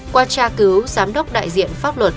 qua tra cứu giám đốc đại diện pháp luật